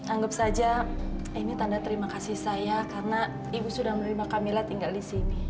anggap saja ini tanda terima kasih saya karena ibu sudah menerima kamila tinggal di sini